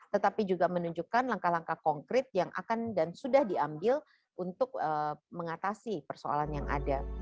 tetapi juga menunjukkan langkah langkah konkret yang akan dan sudah diambil untuk mengatasi persoalan yang ada